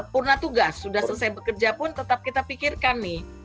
purna tugas sudah selesai bekerja pun tetap kita pikirkan nih